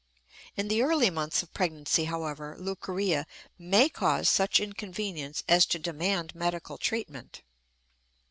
In the early months of pregnancy, however, leucorrhea may cause such inconvenience as to demand medical treatment.